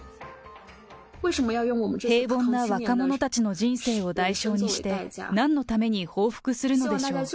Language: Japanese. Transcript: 平凡な若者たちの人生を代償にして、なんのために報復するのでしょう。